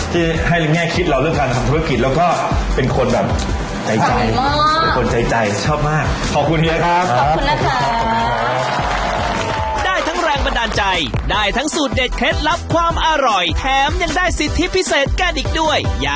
ที่ให้แรงแง่คิดเราเรื่องการทำธุรกิจ